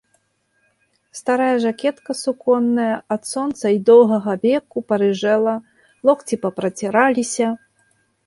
Старая жакетка суконная ад сонца й доўгага веку парыжэла, локці папраціраліся.